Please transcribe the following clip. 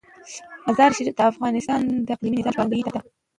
مزارشریف د افغانستان د اقلیمي نظام ښکارندوی ده.